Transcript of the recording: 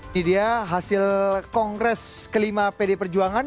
jadi dia hasil kongres kelima pd perjuangan